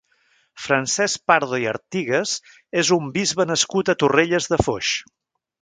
Francesc Pardo i Artigas és un bisbe nascut a Torrelles de Foix.